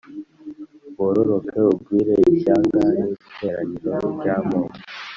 wororoke ugwire ishyanga n iteraniro ry amoko